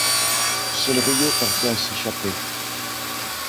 Seul Rio parvient à s'échapper.